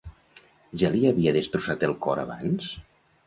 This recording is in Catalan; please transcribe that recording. Ja li havia destrossat el cor abans?